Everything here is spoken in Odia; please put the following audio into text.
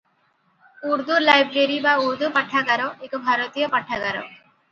ଉର୍ଦ୍ଦୁ ଲାଇବ୍ରେରୀ ବା ଉର୍ଦ୍ଦୁ ପାଠାଗାର ଏକ ଭାରତୀୟ ପାଠାଗାର ।